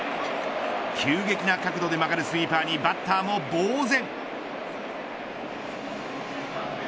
急激な角度で曲がるスイーパーにバッターもぼうぜん。